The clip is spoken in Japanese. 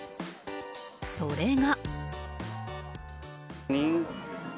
それが。